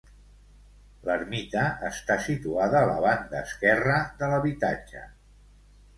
L'ermita està situada a la banda esquerra de l'habitatge.